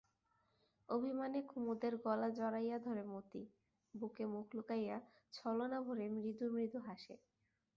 অভিমানে কুমুদের গলা জড়াইয়া ধরে মতি, বুকে মুখ লুকাইয়া ছলনাভরে মৃদু মৃদু হাসে।